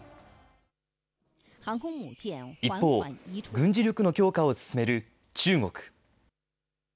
一方、軍事力の強化を進める中国。